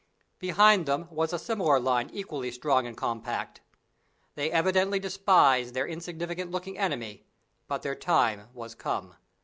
Behind them was a similar line equally strong and compact. They evidently despised their insignificant looking enemy: but their time was come.